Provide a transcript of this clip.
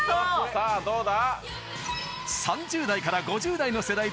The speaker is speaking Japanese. さぁどうだ？